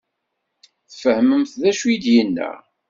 Tfehmemt d acu i d-yenna?